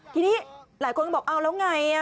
ทีนี้หลายคนก็บอกเอาแล้วไง